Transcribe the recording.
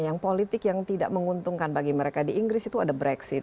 yang politik yang tidak menguntungkan bagi mereka di inggris itu ada brexit